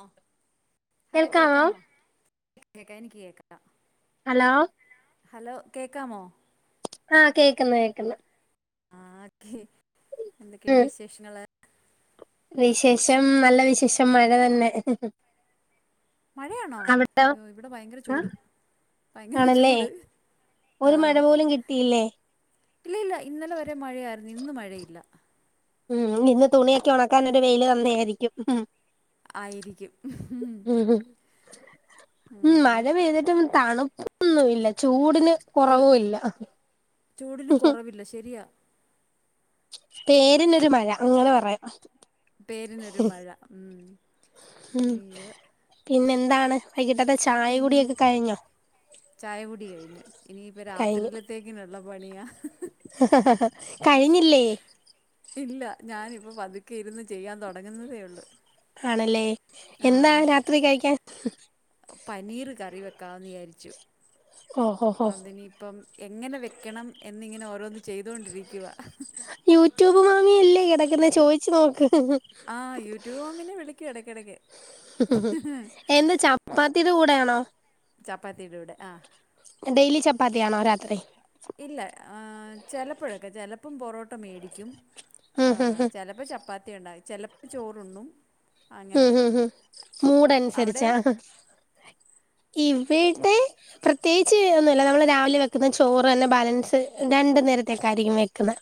ആ ഹലോ കേൾക്കാമോ കേക്കാമോ? കേക്കാ എനിക്ക് കേക്കാ. ഹലോ ഹലോ കേക്കാമോ? ആഹ് കേക്ക്ന്ന് കേക്ക്ന്ന്. ആഹ് ക്കെ എന്തൊക്കെയുണ്ട് ഉം വിശേഷങ്ങള്? വിശേഷം നല്ല വിശേഷം മഴ തന്നെ. മഴയാണോ? അവിടെയോ അയ്യോ ഇവടെ ഭയങ്കര ചൂട്. ഭയങ്കര ആണല്ലേ ചൂട്. ആ ഒരു മഴ പോലും കിട്ടിയില്ലേ? ഇല്ല ഇല്ല ഇന്നലെ വരെ മഴയായിര്ന്നു ഇന്ന് മഴയില്ല. ഉം, ഇന്ന് തുണിയൊക്കെ ഒണക്കാനൊരു വെയില് തന്നേയിരിക്കും. ആയിരിക്കും. ഉം ഉം ഉം. മഴ പെയ്തിട്ടും തണുപ്പൊന്നുംല്ല ചൂടിന് ഒരു കുറവൂല്ല അ ചൂടിന് കൊറവില്ല ശരിയാ. പേരിനൊരു മഴ അങ്ങനെ പറയാ. പേരിനൊരു മഴ ഉം. ഉം, അയ്യോ പിന്നെ എന്താണ് വൈകിട്ടത്തെ ച പിൻ ചായകുടി കഴിഞ്ഞു ഇനിയിപ്പ രാത്രിയിലത്തേ ങ്കി നല്ല പണിയാ ഹ ഹ ഹ കഴിഞ്ഞില്ലേ? ഇല്ല ഞാനിപ്പ പതുക്കെ ഇരുന്ന് ചെയ്യാൻ തുടങ്ങുന്നതേ ഉള്ളു. ആണല്ലേ എന്താ രാത്രി കഴിക്കാൻ? പനീറ് കറി വെക്കാന്ന് വിചാരിച്ചു. ഓ ഹോ. ഹോ അതിനിയിപ്പം എങ്ങനെ വെക്കണം എന്നിങ്ങനെ ഓരോന്ന് ചെയ്തോണ്ടിരിക്കുവ. യൂട്യൂബ് മാമിയല്ലേ കിടക്കുന്നെ ചോയിച്ചു നോക്ക്. ആഹ് യൂട്യൂബ് മാമിനെ വിളിക്കും എടക്കിടക്ക്. ചപ്പാത്തിടെ കൂടെയാണോ? ചപ്പാത്തിയുടെ കൂടെ ആഹ്. ഡെയിലി ചപ്പാത്തിയാണോ രാത്രി? ഇല്ല ആഹ് ചെലപ്പൊഴൊക്കെ ചെലപ്പം പൊറോട്ട മേടിക്കും. ഉം ഹും ആഹ് ഹും ചെലപ്പ ചപ്പാത്തി ണ്ടായി ചെലപ്പം ചോറുണ്ണും. ഉം അങ്ങനെ. ഉം ഉം മൂടൻസരിച്ചാ. അവിടെയോ? ഇവടെ പ്രത്യേകിച്ച് ഒന്നുല്ല നമ്മൾ രാവിലെ വെക്ക്ന്ന ചോറന്നെ ബാലൻസ് രണ്ട് നേരത്തേക്കായിരിക്കും വെക്ക്ന്നെ.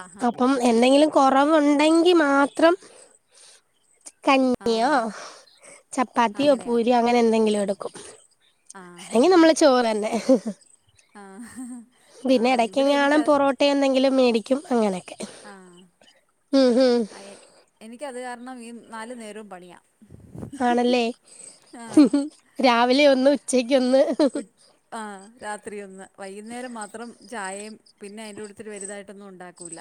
ആഹാ അപ്പം എന്തെങ്കിലും കൊറവുണ്ടെങ്കി മാത്രം കഞ്ഞിയോ ആഹ് ചപ്പാത്തിയോ അങ്ങനെയാക്കും. പൂരിയോ അങ്ങനെ എന്തെങ്കിലും എടുക്കും. ആഹാ അല്ലെങ്കി നമ്മള് ചോറന്നെ ആഹ് ആഹ് ഇവടെ എനിക്കാ മുട്ട എന്തെങ്കിലും മേടിക്കും അങ്ങനെയൊക്കെ. ആഹ് ഹ് ഹും അയ് എനിക്കത് കാരണം ഈ നാല് നേരവും പണിയാ. ആണല്ലേ ആഹ് രാവിലെ ഒന്ന് ഉച്ചക്കൊന്ന്. വിട്ട് ആഹ് രാത്രി ഒന്ന് വൈകുന്നേരം മാത്രം ചായയും പിന്നെ അയിന്റെക്കുട്ടത്തിൽ വലുതായിട്ടൊന്നും ഉണ്ടാക്കൂല.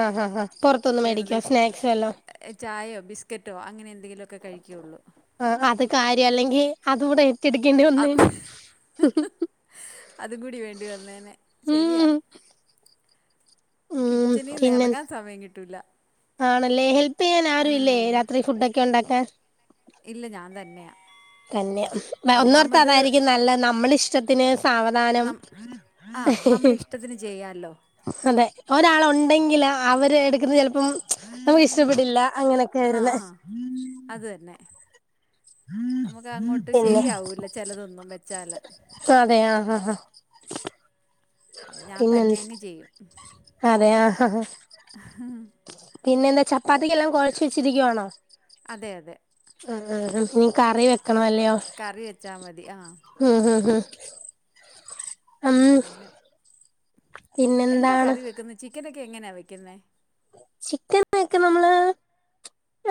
ആഹ് ഹാ ഹാ പുറത്തുന്ന് മേടിക്കൊ സ്നാക്സ് എല്ലാം? ചായയോ ബിസ്ക്കറ്റോ അങ്ങനെ എന്തെങ്കിലുക്കെ കഴിക്കിള്ളൂ. ആഹ് അത് കാര്യം അല്ലെങ്കി അത് കൂടെ ഏറ്റെട്ക്കേണ്ടി അത് വന്നേനെ. അതും കൂടി വേണ്ടി വന്നേനെ ശരിയാ. ഉം ഉം കിച്ചനീന്ന് എറങ്ങാൻ സമയം കിട്ടൂല്ല. ആണ്ല്ലേ ഹെൽപ് യ്യാൻ ആരും ഇല്ലേ രാത്രി ഫുഡൊക്കെ ഉണ്ടാക്കാൻ? ഇല്ല ഞാൻ തന്നെയാ. തന്നെ ഒന്നോർത്ത ഒന്നാമത് അതായിരിക്കും നല്ല നമ്മള് ഇഷ്ടത്തിന് സാവധാനം ആഹ് നമ്മുടെ ഇഷ്ടത്തിന് ചെയ്യാല്ലോ. അതെ ഒരാള് ഉണ്ടെങ്കില് അവര് എട്ക്ക്ന്നേ ചെൽപ്പം നമുക്ക് ഇഷ്ടപ്പെടില്ല. അങ്ങനെക്കെ ആ ആര്ന്നേ ആ. അത് തന്നെ നമുക്ക് അങ്ങോട്ട് പിന്നെ ശരിയാവൂല്ല ചെലതൊന്നും വെച്ചാല്. അതെ ആഹ് ആഹ് ആഹ് അപ്പം ഞാൻ പിന്നെൻ തന്നെ അങ്ങ് ചെയ്യും അതെ അഹ് ഹാ പിന്നെ എന്താ ചപ്പാത്തിക്കെല്ലാം കൊഴച്ച് വെച്ചിരിക്കുവാണോ? അതെ അതെ ആഹ് ആഹ് ആഹ് ഇനി കറി വെക്കണം അല്ലയോ? കറി വെച്ചാ മതി ആഹ് ഹ് ഹ് ഹ് ഉം അങ്ങനെ എന്താ പിന്നെന്താണ് കറി വെക്ക്ന്നേ? ചിക്കനൊക്കെ എങ്ങനെയാ വെക്ക്ന്നേ? ചിക്കൻ വെക്ക്ണ് നമ്മള്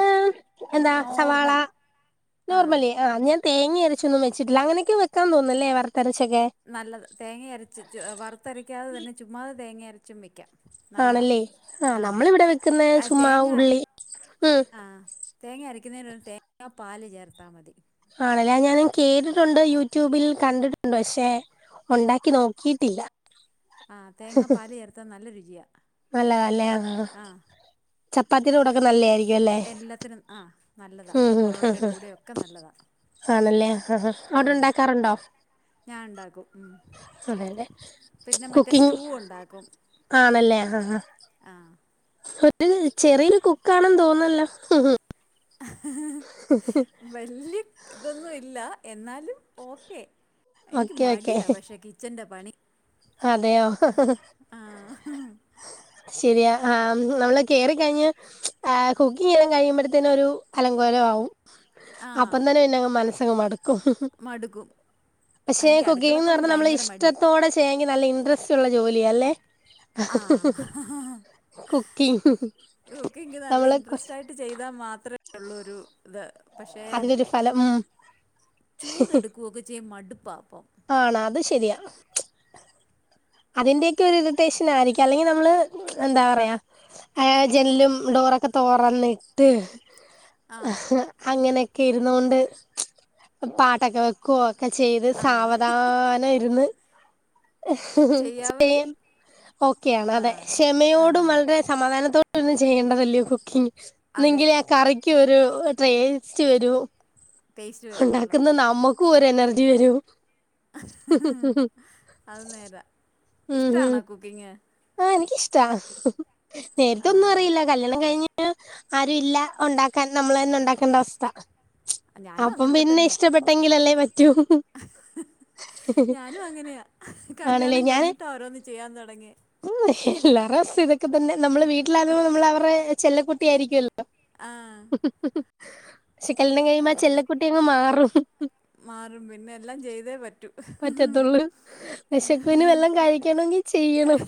ഏഹ് എന്താ സവാള നോർമൽ ആ നോർമല് ആഹ് ഞാൻ തേങ്ങ അരച്ചൊന്നും വെച്ചിട്ടില്ല. അങ്ങനൊക്കെ വെക്കാ തോന്നുന്നല്ലേ വറുത്തരച്ചൊക്കെ? നല്ലത് തേങ്ങ അരച്ച് ച്ച് വറുത്തരക്കാതെ തന്നെ ചുമ്മാത തേങ്ങ അരച്ചും വയ്ക്കാം. നല്ലതാ ആണല്ലേ ആഹ് നമ്മളിവിടെ വെക്കുന്ന അഹ് ചുമ്മാ തേങ്ങ ഉള്ളി ഉം ആഹ് തേങ്ങ അരക്കുന്നതിന് തേങ്ങാ പാല് ചേർത്താ മതി. ആണ്ലെ ഞാൻ കേട്ടിട്ടുണ്ട്. യൂട്യൂബിൽ കണ്ടിട്ടുണ്ട് പക്ഷെ ഒണ്ടാക്കി നോക്കിയിട്ടില്ല ആഹ് തേങ്ങാ പാൽ ചേർത്താ നല്ല രുചിയ നല്ലതാ ല്ലെ ആഹ് ചപ്പാത്തിയുടെ കൂടൊക്കെ നല്ലയായിരിക്കും അല്ലേ എല്ലത്തിനും ആഹ് നല്ലതാ ഉം ഉം ഉം പൊറോട്ടയുടെ ഉം കൂടെയൊക്കെ നല്ലതാ ആണല്ലേ ആഹ് ആ അവിടെ ഉണ്ടാക്കാറുണ്ടോ? ഞാൻ ഉണ്ടാക്കും ഉം അതെ അതെ പിന്നെ മറ്റേ കുക്കിംഗ് സ്റ്റൂ ഉണ്ടാക്കും ആണല്ലേ ആഹ് ആഹ് ഒരു ചെറിയൊരു കുക്കാണെന്ന് തോന്നല്ലോ വല്യ ഇതൊന്നും ഇല്ല എന്നാലും ഓക്കേ എനിക്ക് ഓക്കെ മടിയാ പക്ഷെ കിച്ചന്റെ പണി അതേയോ? ആ. ശരിയ ആഹ് നമ്മൾ കേറി ക്കഴിഞ ആഹ് കുക്കിങ് ചെയ്ത് കഴിയുമ്പോഴതിന് ഒരു അലങ്കോലമാവും ആ. അപ്പം തന്നെ പിന്നെങ് മനസ്സങ് മടുക്കും മടുക്കും. പക്ഷെ എനിക്ക് കുക്കിംന്ന് അടുക്കളപ്പണി പറഞ്ഞാ നമ്മള ഭയങ്കര മടിയാ. ഇഷ്ടത്തോടെ ചെയ്യാ ചെയ്യെങ്കി നല്ല ഇൻട്രസ്റ്റ്ള്ള ജോലിയ അല്ലേ? ആഹ് കുക്കിംഗ് കുക്കിംഗ്‌ നല്ല നമ്മള് കൊ- ഇൻട്രസ്റ്റ് ആയി ചെയ്താൽ മാത്ര ഒള്ളൂ ഒരിത് പക്ഷെ അതിനൊരു ഫലം ഉം ചൂടെടുക്കുകയൊക്കെ ചെയ്യ മടുപ്പാ ഇപ്പം ആണോ അത് ശരിയാ അതിന്റെയൊക്കെ ഒരു ഇറിറ്റേഷൻ ആയിരിക്കാം അല്ലെങ്കിൽ നമ്മള് എന്താ പറയാ ഏഹ് ജനലും ഡോറൊക്കെ തൊറന്നിട്ട് ആ. അങ്ങനെയൊക്കെ ഇരുന്നേണ്ട് പാട്ടൊക്കെ വെ കോ ഒക്കെ ചെയ്ത് ആ. സാവധാനം ഇരുന്ന് ചെയ്യാമെങ്കി ൻ ഓക്കെയ ആണ് ആ. അതെ ആ. ക്ഷമയോടും വളരെ സമാദാനത്തോടെയും ചെയ്യേണ്ടതല്ലേ കുക്കിംഗ്‌ അതെ. എന്നെങ്കിലെ ആ കറി ക്ക് ഒരു ടേസ്റ്റ് വരൂ. ടേസ്റ്റ് വരുള്ളൂ. ഉണ്ടാക്കുന്ന നമ്മക്ക് ക്ക് ഒരു എനർജി വരൂ അത് നേരാ ഉം ഉം ഇഷ്ട്ടാണോ കുക്കിംഗ്‌? ആഹ് എനിക്കിഷ്ടാ നേരിത്തെ ആ. ഒന്നും അറിയില്ലാ കല്യാണം കഴിഞ്ഞ് ആരും ഇല്ല ഉണ്ടാക്കാൻ നമ്മളന്നെ ഉണ്ടാക്കേണ്ട അവസ്ഥ ഞാനും അപ്പം അങ്ങനൊക്കെ പിന്നെ തന്നെയാ. ഇഷ്ടപ്പെട്ടെങ്കിലല്ലേ പറ്റൂ ആണല്ലേ കല്ല്യാണം ഞാന് കഴിഞ്ഞിട്ടാ ഓരോന്ന് ചെയ്യാൻ തുടങ്ങിയേ ഉം എല്ലാര്ടേം അവസ്ഥ ഇതൊക്കെ തന്നെ നമ്മള് വീട്ടിലാകുമ്പോൾ നമ്മള അവരുടെ ചെല്ല കുട്ടിയായിരിക്കുല്ലോ ആഹ് പക്ഷെ കല്യാണം കഴിയുമ്പോ ആ ചെല്ലക്കുട്ടി അങ്ങ് മാറും മാറും പിന്നെ എല്ലാം ചെയ്തേ പറ്റു പറ്റത്തുള്ളൂ വിശക്കുന് വല്ലൊം കഴിക്കണമെങ്കിൽ ചെയ്യണം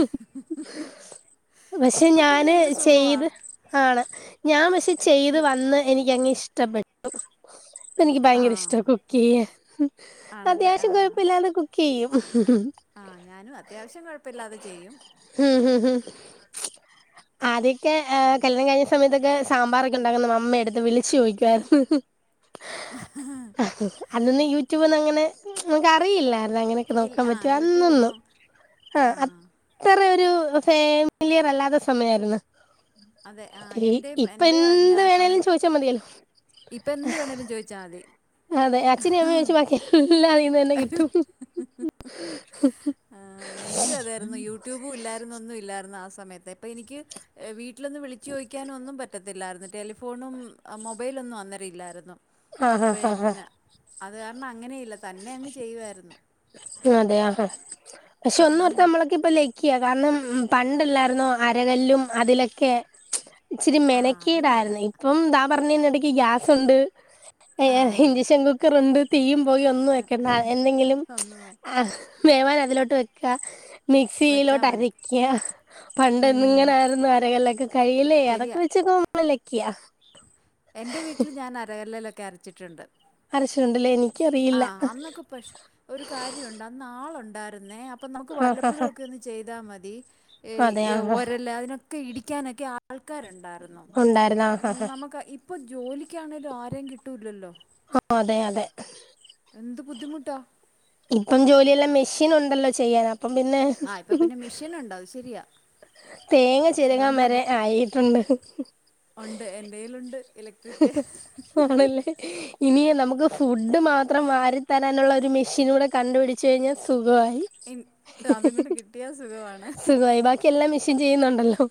പക്ഷെ ഇപ്പൊ പിന്നെ ഞാന് എന്ത് സുഖവാ ചെയ്ത് ആണ് ഞാൻ പക്ഷെ ചെയ്ത് യു വന്ന് എനിക്കങ്ങ് ഇഷ്ടപ്പെട്ടു എനിക്ക് ആ ഭയങ്കര ഇഷ്ടാ കുക്ക് ചെയ്യാൻ ആണല്ലേ അത്യാവശ്യം കൊ പ്പല്ലാതെ കുക്ക് ചെയ്യും ആഹ് ഞാനും അത്യാവശ്യം കുഴപ്പല്ലാതെ ചെയ്യും ഉം ഉം ഉം ആദ്യൊക്കെ പിന്നെ കല്യാണം കഴിഞ്ഞ് സമയത്തൊക്കെ സാമ്പാറൊക്കെ ഉണ്ടാക്കുന്ന മമ്മേടടുത്ത് വിളിച്ച് ചോദിക്കുവായിരുന്ന് അന്നൊന്നും യൂട്യൂബൊന്നും അങ്ങനെ നമുക്ക് അറിയില്ല അ അങ്ങനെയൊക്കെ ഇൽ നോക്കാൻ ആ പറ്റിയ യൂട്യൂബ് അന്നൊന്നും ഒന്നും ആ ആഹ് അത്ര ഒരു ഫാമിലിയർ അല്ലാത്ത സമയ ആയിരുന്ന് അതെ ആ എൻ്റെയും ഇപ്പ എൻ്റെ എന്ത് വേണേലും ചോദിച്ചാൽ മതിയല്ലോ ഇപ്പ എന്ത് വേണേലും ചോദിച്ചാൽ മതി അതെ അച്ഛനേം അമ്മനേം ഒഴിച്ച് ബാക്കി എല്ലാ അതീന്ന് തന്നെ കിട്ടും ആഹ് എനക്ക് അതായിരുന്നു യൂട്യൂബും ഇല്ലായിരുന്നൊന്നും ഇല്ലായിരുന്നു ആഹ് സമയത്ത് ഇപ്പൊ എനിക്ക് വീട്ടിലൊന്ന് വിളിച്ചു ചോദിക്കാന് ഒന്നും പറ്റ് പറ്റത്തില്ലായിരുന്നു ടെലിഫോണും മൊബൈലൊന്നും അന്നേരം ഇല്ലായിരുന്നു ആഹ് ആഹ് ആഹ് പിന്നെ അത് കാരണം അങ്ങനെയില്ല തന്നെ അങ്ങ് ചെയ്യുമായിരുന്നു അതെ ആഹാ പക്ഷെ ഒന്ന് ഓർത്ത നമ്മളൊക്കെ ഇപ്പ ലകി കിയ കാരണം പണ്ടല്ലായിരുന്നോ അരകല്ലും അതിലൊക്കെ ഇച്ചിരി ആ അത് നേരാ. മെനക്കീടായിരുന്നു ഇപ്പം എന്താ പറഞ്ഞന്ന ഇടക്ക് ഗ്യാസുണ്ട് ആ ഇഞ്ചക്ഷൻ കുക്ക്റുണ്ട് തീയും പുകയും ഒന്നും ഏക്കണ്ട എന്തെങ്കിലും [unintelligible] ആഹ് വേവാൻ അതിലോട്ട് വെക്ക വെച്ചാ മിക്സിയിലോട്ട് മതി. അരയ്ക്കുക പണ്ട് ഉം ഇങ്ങനെ ആയിരുന്നു അരകല്ലൊക്കെ കയിലേ അതൊക്കെ ശരിയാ. വെച്ചക്കുമമ്മള്ലക്കിയാ എന്റെ വീട്ടിൽ ഞാൻ അരകല്ലയിലൊക്കെ അരച്ചിട്ടുണ്ട് അരച്ചുണ്ടല്ലേ എനിക്ക് ആഹ് അന്നൊക്കെ പശ് ഒരു കാര്യമുണ്ട് ആള് ഉണ്ടായിരുന്നേ അപ്പൊ നമുക്ക് ആഹ് വല്ലപ്പൊഴും ആഹ് ഒക്കെ ഒന്ന് ചെയ്താ മതി അതെ ആഹ് ഓരല് അതിനൊക്കെ ഇടിക്കാനൊക്കെ ആഹ് ആൾക്കാരുണ്ടായിരുന്നു ഉണ്ടായിരുന്ന ആഹ് നമുക്ക് ഇപ്പം ജോലിക്കാണേലും ആരേം കിട്ടൂലല്ലോ അതെ അതെ എന്ത് ബുദ്ധിമുട്ടാ ഇപ്പം ജോലിയെല്ലാം മെഷീൻ ഉണ്ടല്ലോ ചെയ്യാൻ അപ്പം പിന്നെ നുണ്ട് അത്ശരിയാ തേങ്ങ ചെരുകാൻ വരെ ആയിട്ടുണ്ട് ഉണ്ട് എന്റെയിലുണ്ട് ഇലക്ട്രിക് ആണല്ലേ ഇനി നമുക്ക് ഫുഡ് മാത്രം വരിത്തരാനുള്ള ഒരു മെഷീൻ കൂടെ കണ്ടുപിടിച്ച കഴിഞ്ഞാൽ സുഖമായി ഇനി അതും കൂടെ കിട്ടിയ സുഖമാണ് സുഖമായി ബാക്കി എല്ലാം മെഷീൻ ചെയ്യുന്നുണ്ടല്ലോ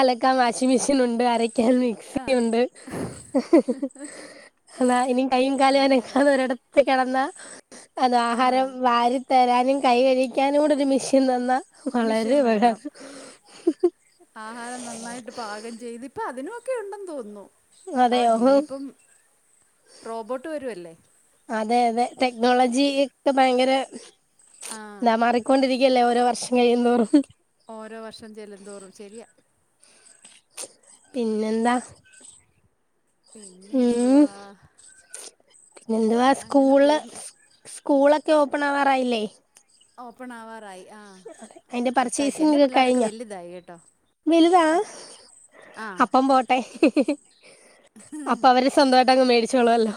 അലക്കാൻ വാഷിംഗ് മെഷീൻ ഉണ്ട് അരക്കാൻ ആ മിക്സി ഉണ്ട് അതാ ഇനി കൈയും അത് കാലും നേരാ അനക്കാത ഒരിടത്ത് കിടന്നാ അത് ആ ആഹാരം വാരി തരാനും കൈ കഴിയ്ക്കാനും കൂടെ ഒരു മിഷീൻ തന്നാ മിഷേൻ വളരെ വേണം ഉപകാരം ആഹാരം നന്നായിട്ട് പാകം ചെയ്ത് ഇപ്പ അതിനു ഒക്കെ ഉണ്ടെന്ന് തോന്നുന്നു അതെയോ ആഹ് ഇനിയിപ്പം റോബോട്ട് വരുവല്ലേ അതെ അതെ ടെക്നോളജി ഒക്കെ ഭയങ്കര ആ നാ മാറി കൊണ്ടിരിക്കയല്ലേ ഓരോ വർഷം കഴിയുന്തോറും ഓരോ വർഷം ചെല്ലും തോറും ശരിയ പിന്നെന്താ പിന്നെ ഉം എന്തുവാ പിന്നെ എന്തുവാ അങ്ങനെ സ്കൂള് പോകുന്നു സ്കൂളൊക്കെ ഓപ്പൺ ആവാറായില്ലേ ഓപ്പൺ ആവാറായി ആഹ് അതിന്റെ അടുത്ത ആഴ്ച പർച്ചേസിംഗ് എന്റെ ഒക്കെ പിള്ളോരൊക്കെ കഴിഞ്ഞോ വലുതായി കെട്ടോ വലുതാ അപ്പം പോട്ടെ അപ്പൊ അവര് സ്വന്തവായിട്ട് അങ്ങ് മേടിച്ചോളല്ലോ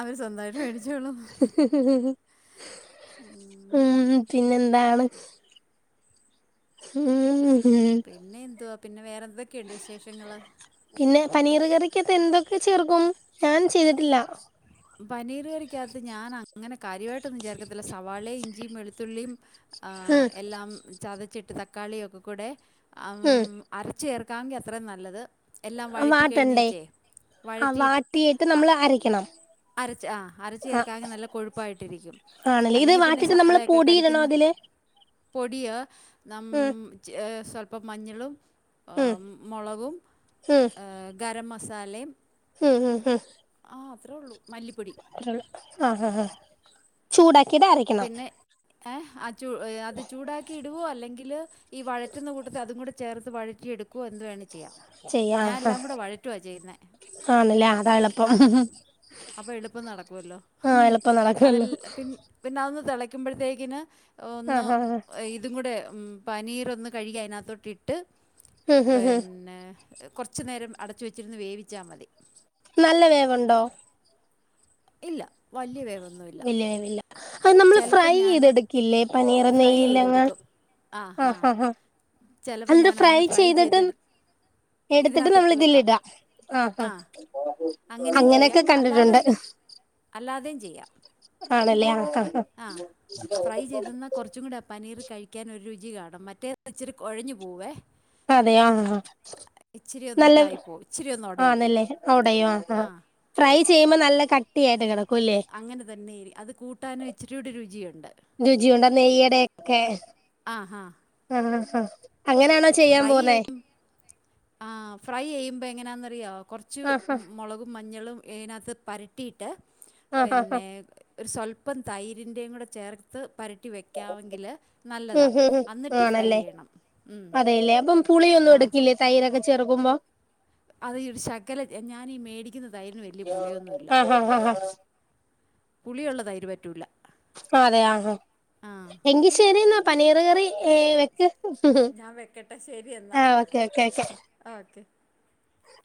അവർ സ്വന്തമായിട്ട് മേടിച്ചോളും ഉം പിന്നെ എന്താണ് ഊം ഹം പിന്നെ എന്തുവാ പിന്നെ വേറെ എന്തൊക്കെയുണ്ട് വിശേഷങ്ങൾ പിന്നെ പനീർ കറിക്ക്യത്ത് എന്തൊക്കെ ചേർക്കും ഞാൻ ചെയ്തിട്ടില്ല പനീർ കറിക്യകത്ത് ഞാൻ അങ്ങനെ കാര്യവായിട്ടൊന്നും ചേർക്കത്തില്ല സവാളയും ഇഞ്ചിം വെളുത്തുള്ളിം ആഹ് ഉം എല്ലാം ചതച്ചിട്ട് തക്കാളിയൊക്കെ കൂടെ അം ഉം അരച്ച് ചേർക്കാവെങ്കി അത്രയും നല്ലത് എല്ലാം വഴറ്റി കഴിഞ്ഞേച്ചേ വഴറ്റിയിട്ട് ട്ടീയിട്ട് നമ്മൾ അരയ്ക്കണം അരച്ച് ആഹ് അരച്ച് ആ ചേർക്കാവെങ്കി നല്ല കൊഴുപ്പായിട്ടിരിക്കും ആണല്ലേ ഇത് അല്ലെങ്കി പിന്നെ വാട്ടിട്ട് നമ്മള് സവാളയൊക്കെ പൊടിയിടണോ കടിക്കുന്ന അതില് പൊടിയ നഉം ഉം സ്വല്പ്പം മഞ്ഞളും ഉം മൊളകും ഉം ഗരം മസാലിം ഉം ഉം ഉം ആഹ് അത്ര ഉള്ളൂ മല്ലിപ്പൊടി ആഹ് ഹ ഹ ചൂടാക്കിയത് അരക്കണം ആഹ് ചു അത് ചൂടാക്കി ഇടുവോ അല്ലെങ്കില് ഈ വഴറ്റുന്ന കൂട്ടത്തി അതും കൂടെ ചേർ ത്ത് വഴറ്റിയെടുക്കുവോ എന്ത് വേണേം ചെയ്യാം ചെയ്യാ ഞാൻ ആ എല്ലാം കൂടെ വഴറ്റുവ ചെയ്യുന്നേ ആണല്ലേ അതാ എളുപ്പം ആഹ് അപ്പൊ എളുപ്പം നടക്കുവല്ലോ ആ എളുപ്പം നടക്കുവല്ലോ അതല്ല പി പിന്നെ അതൊന്ന് തിളയ്ക്കുമ്പോഴത്തേക്കിന് ഒന്ന് ആഹ് ആഹ് ഇതും കൂടെ പനീറൊന്ന് കഴുകി അതിനകത്തോട്ട് ഇട്ട് ഹ് ഹ് ഹ് പിന്നെ കൊറച്ച് നേരം അടച്ച് വച്ചിരുന്നു വേവിച്ചാ മതി നല്ല വേവുണ്ടോ ഇല്ല വലിയ വേവൊന്നുല്ല അത് നമ്മള് ഫ്രൈ ചെയ്തെടുക്കില്ലേ പനീർ നെയ്യിലെങ്ങാൺ ആഹാ ചെലപ്പം എന്നിട്ട് ഞാൻ അങ്ങനെ ഫ്രൈ ചെയ്തിട്ട് ചെയ്തെടു എടുത്തിട്ട് നമ്മൾ ഇതിനകത്തിട്ട് വെക്കാം ഇതിലിടാ ആഹാ ആ അങ്ങനെയും ചെയ്യാം അങ്ങനെക്കെ അല്ലാതെ കണ്ടിട്ടുണ്ട് അല്ലാതെയും ചെയ്യാം ആണല്ലേ ആഹ് ആഹ് ആഹ് ഫ്രൈ ചെയ്ത്ന്നാ കൊറച്ചും കൂടെ പനീർ കഴി യ്ക്കാൻ ഒരു രുചി കാണും മറ്റേത് ഇച്ചിരി കൊഴഞ്ഞു പോവേ [unintelligible] ഇച്ചിരി ഒന്ന് നല്ലത് ഇതായി പോവും ഇച്ചിരി ഒന്ന് ഉടയും ആണല്ലേ ഒടയും ആഹ് ആ ആഹ് ഫ്രൈ ചെയ്യുമ്പോ നല്ല കട്ടി ആയിട്ട് കിടക്കൂല്ലേ അങ്ങനെ തന്നെയിരി അത് കൂട്ടാനും ഇച്ചരിയൂടി രുചിയുണ്ട് രുചിയുണ്ട് ആഹ് നെയ്യടൊക്കെ ആ ആ ആഹാ അങ്ങനെയാണോ ചെയ്യാൻ പോവുന്നേ ആഹ് ഫ്രൈ ചെയ്യുമ്പോ എങ്ങനാന്നറിയോ കൊറച്ച് ആഹ് മുളകും മഞ്ഞളും അതിനകത്ത് പരട്ടിയിട്ട് ആഹ് ആഹ് പിന്നെ ഒരു സ്വല്പം തൈരിൻ്റെയും കൂടെ ചേർ ത്ത് പരട്ടി വെക്കാമെങ്കിൽ ഉം നല്ലതാണ് ഉം എന്നിട്ട് ഫ്രൈ ആണല്ലേ ചെയ്യണം ഉം. അതെല്ലേ അപ്പം പുളിയൊന്നും ആ എടുക്കില്ലേ തൈരൊക്കെ ചെറുക്കുമ്പോ അതീ ഒരു ശകല ഞാനീ മേടിക്കുന്ന തൈരിന് വലിയ പുളിയൊന്നുമില്ല ആഹ് ആഹ് ആഹ് ആഹ് പുളിയുള്ള തൈയിര് പറ്റൂല്ല അതെ ആഹാ എങ്കി ശരി എന്നാ പനീർ കറി ഏഹ് വെക്ക് ഞാൻ ആഹ് ഓക്കെ ഓക്കെ ഓക്കെ ആഹ് ഓക്കെ